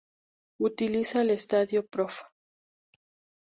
Utiliza el Estádio Prof.